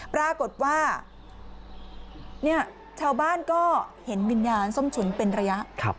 ปรากฏว่าชาวบ้านก็เห็นวิญญาณส้มฉุนเป็นระยะ